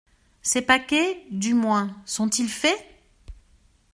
Ses paquets, du moins, sont-ils faits ?